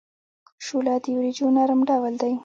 شوله د وریجو نرم ډول دی.